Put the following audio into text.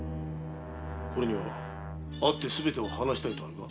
これには会ってすべてを話したいとあるが？